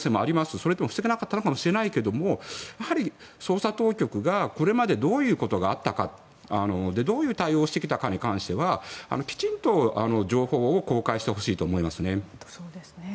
それでも防げなかったのかもしれないけど捜査当局がこれまでどういうことがあったかどういう対応をしてきたかに関してはきちんと情報を公開してほしいと思いますね。